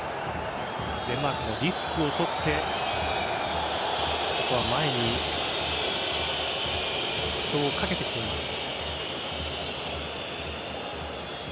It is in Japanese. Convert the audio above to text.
デンマークもリスクを取ってここは前に人をかけてきています。